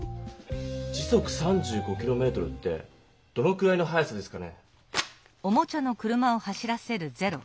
時速３５キロメートルってどのくらいの速さですかね？